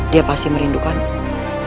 dia pasti merindukanmu